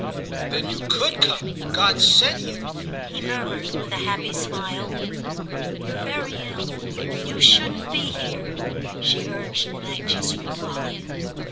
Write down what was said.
"Then you could come? God sent you!" he murmured with a happy smile. "You're very ill—you shouldn't be here," she urged in anxious reply.